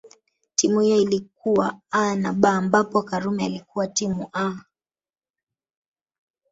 Timu hiyo ilikuwa A na B ambapo Karume alikuwa timu A